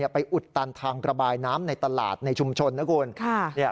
อุดตันทางระบายน้ำในตลาดในชุมชนนะคุณ